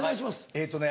えっとね